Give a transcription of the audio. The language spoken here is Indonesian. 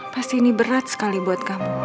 pasti ini berat sekali buat kamu